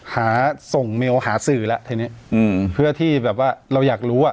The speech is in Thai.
หาส่งเมลหาสื่อแล้วทีนี้เพื่อที่แบบว่าเราอยากรู้อ่ะ